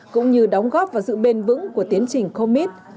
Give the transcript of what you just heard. cũng như đóng góp vào sự bền vững của tiến trình commit